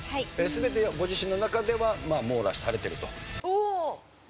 全てご自身の中では網羅されてると？